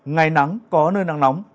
ngày nắng có nơi nắng nóng